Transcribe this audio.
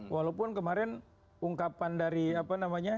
walaupun kemarin ungkapan dari apa namanya